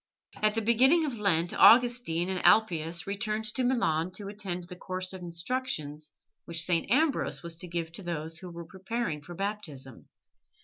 At the beginning of Lent Augustine and Alypius returned to Milan to attend the course of instructions which St. Ambrose was to give to those who were preparing for Baptism.